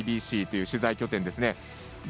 あとＩＢＣという取材拠点ですね。